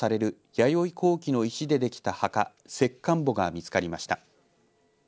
弥生後期の石でできた墓、石棺墓が見つかりました。